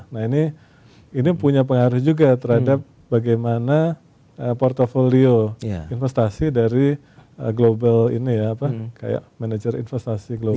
nah ini punya pengaruh juga terhadap bagaimana portfolio investasi dari global ini ya apa kayak manajer investasi global